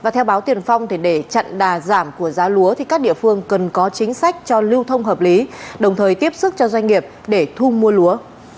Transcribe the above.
theo báo tiền phong để chặn đà giảm của giá lúa các địa phương cần có chính sách cho lưu thông hợp lý đồng thời tiếp sức cho doanh nghiệp để thu mua lúa